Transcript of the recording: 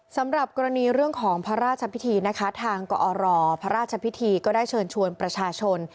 สำหรับกรณีเรื่องของพระราชพิธีนะคะทางกอรพระราชพิธีก็ได้เชิญชวนประชาชน